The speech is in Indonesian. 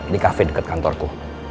di cafe deket kantorku